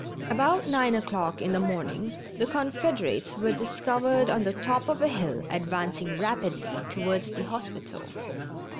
About 9 o'clock in the morning the Confederates were discovered on the top of a hill advancing rapidly towards the hospital.